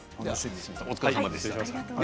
お疲れさまでした。